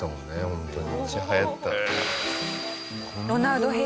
ホントに。